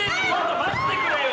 待ってくれよもう！